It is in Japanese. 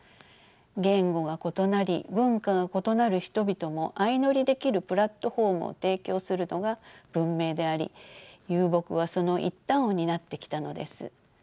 言語が異なり文化が異なる人々も相乗りできるプラットフォームを提供するのが文明であり遊牧はその一端を担ってきたのです。